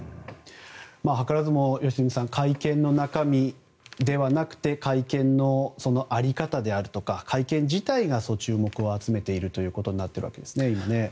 図らずも良純さん会見の中身ではなくて会見の在り方であるとか会見自体が注目を集めているということになっているわけですね。